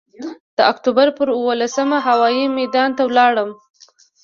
د اکتوبر پر اوولسمه هوايي میدان ته ولاړم.